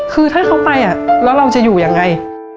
คือถ้าเขาไปแล้วเราจะอยู่ยังไง